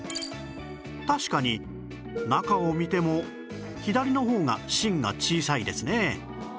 確かに中を見ても左の方が芯が小さいですね